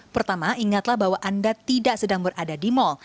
pertama ingatlah bahwa anda tidak sedang berada di mal